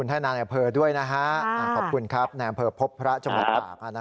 ที่ร่วมแรงร่วมใจ